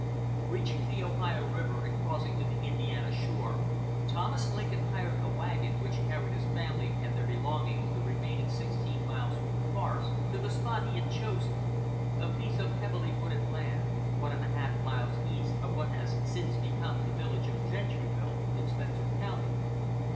Reaching the Ohio River and crossing to the Indiana shore, Thomas Lincoln hired a wagon which carried his family and their belongings the remaining sixteen miles through the forest to the spot he had chosen a piece of heavily wooded land, one and a half miles east of what has since become the village of Gentryville in Spencer County.